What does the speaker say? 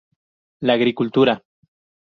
La agricultura.